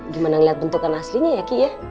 gimana lihat bentukan aslinya ya ki ya